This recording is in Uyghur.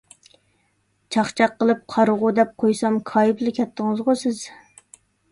چاقچاق قىلىپ «قارىغۇ» دەپ قويسام، كايىپلا كەتتىڭىزغۇ سىز.